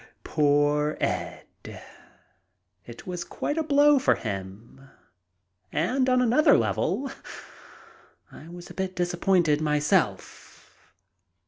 Poor Ed ! It was quite a blow for him, and, on the level, I was a bit disappointed myself.